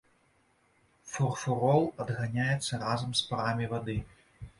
Фурфурол адганяецца разам з парамі вады.